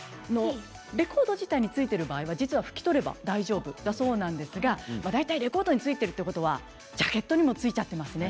レコード自体についている場合は実は、拭き取れば大丈夫だそうですが大体レコードに付いているということはジャケットにも付いちゃっていますね。